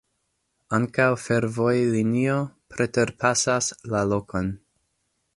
Ankaŭ fervojlinio preterpasas la lokon.